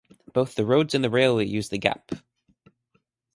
Both the roads and the railway use the gap.